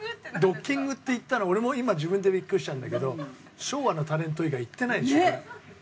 「ドッキング」って言ったの俺も今自分でビックリしちゃうんだけど昭和のタレント以外言ってないでしょこれ。